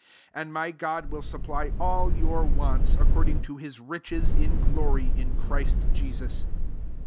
19 And ror God will supply all your wsmts, according to his riches in gloryi in Christ Jesus.